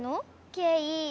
ケイ。